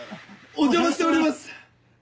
お邪魔しております！